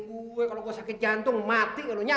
dia pun sangat menggila